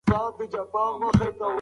ماشومانو ته د خوب لپاره لالايي ویل کېږي.